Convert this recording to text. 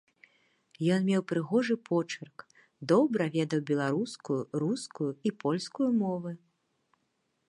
Ён меў прыгожы почырк, добра ведаў беларускую, рускую і польскую мовы.